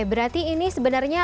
berarti ini sebenarnya